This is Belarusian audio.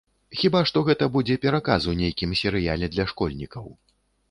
Хіба што гэта будзе пераказ у нейкім серыяле для школьнікаў.